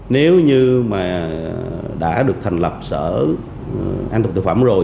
nếu như mà đã được thành lập sở an toàn thực phẩm rồi